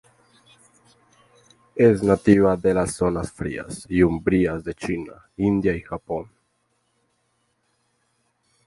Es nativa de las zonas frías y umbrías de China, India y Japón.